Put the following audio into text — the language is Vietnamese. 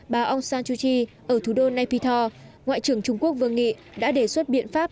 bà aung san suu kyi ở thủ đô naypyidaw ngoại trưởng trung quốc vương nghị đã đề xuất biện pháp